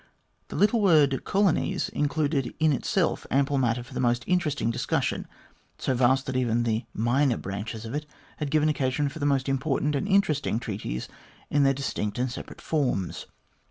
The little word "colonies" included in itself ample matter for the most interesting discussion ; so vast that even the minor branches of it had given occasion for the most important and interest ing treatises in their distinct and separate forms.